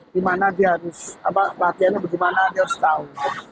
gimana dia harus apa latihannya bagaimana dia harus tahu